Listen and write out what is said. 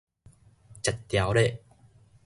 食牢咧